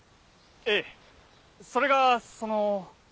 ええそれがその。